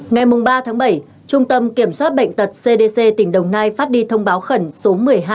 ngày ba bảy trung tâm kiểm soát bệnh tật cdc tỉnh đồng nai phát đi thông báo khẩn số một mươi hai